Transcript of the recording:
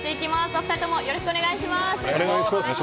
お２人ともよろしくお願いします。